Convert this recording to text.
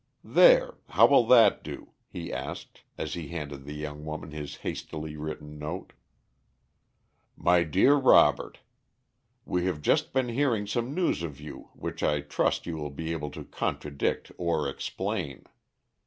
"There. How will that do?" he asked, as he handed the young woman this hastily written note. "MY DEAR ROBERT: We have just been hearing some news of you, which I trust you will be able to contradict or explain.